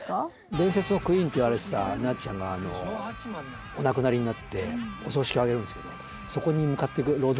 伝説のクイーンといわれてたなっちゃんがお亡くなりになってお葬式をあげるんですけどそこに向かっていくロード